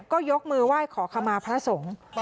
ก็ยกมือไหว้ขอขมาพระสงฆ์